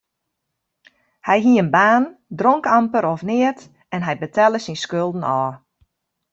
Hy hie in baan, dronk amper of neat en hy betelle syn skulden ôf.